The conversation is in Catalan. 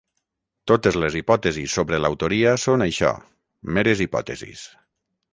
Totes les hipòtesis sobre l'autoria són això, meres hipòtesis.